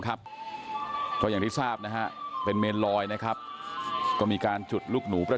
กลับไปผ่านเสียงที่ความเหมื่อนั้น